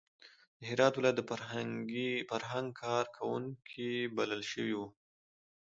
د هرات ولایت د فرهنګ کار کوونکي بلل شوي وو.